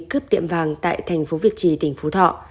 cướp tiệm vàng tại tp việt trì tỉnh phú thọ